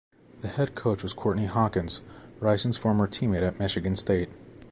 The head coach was Courtney Hawkins, Rison's former teammate at Michigan State.